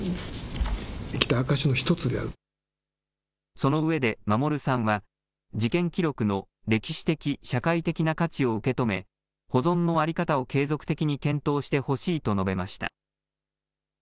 その上で、守さんは、事件記録の歴史的・社会的な価値を受け止め、保存の在り方を継続的に検討してほしいと述べました。